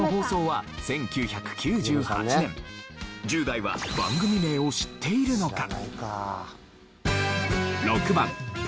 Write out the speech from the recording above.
１０代は番組名を知っているのか？